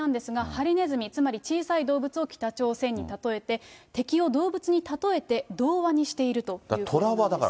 これ、１年生の図工の教材なんですが、ハリネズミ、つまり小さい動物を北朝鮮に例えて、敵を動物に例えて、童話にしているということです。